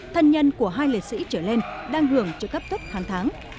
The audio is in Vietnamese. thân nhân của hai liệt sĩ trở lên đang hưởng trợ cấp tuất hàng tháng